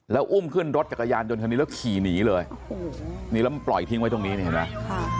แล้วอุ้มขึ้นรถจักรยานยนต์คันนี้แล้วขี่หนีเลยโอ้โหนี่แล้วมันปล่อยทิ้งไว้ตรงนี้นี่เห็นไหม